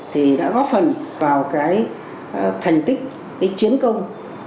thì đã góp phần vào cái thành tích cái chiến công